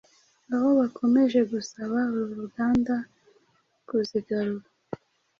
aho bakomeje gusaba uru ruganda kuzigarura